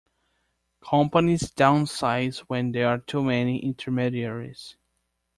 Companies downsize when there are too many intermediaries.